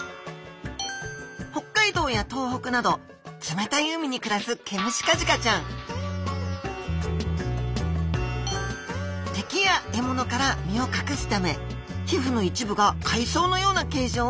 北海道や東北など冷たい海に暮らすケムシカジカちゃん敵や獲物から身を隠すため皮膚の一部が海藻のような形状をしています。